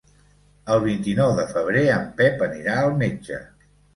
El vint-i-nou de febrer en Pep anirà al metge.